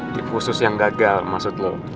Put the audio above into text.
tim khusus yang gagal maksud lo